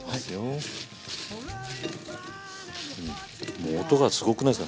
もう音がすごくないですか？